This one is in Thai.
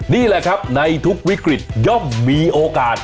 นี่แหละครับในทุกวิกฤตย่อมมีโอกาส